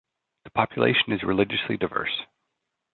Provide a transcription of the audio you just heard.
The population is religiously diverse.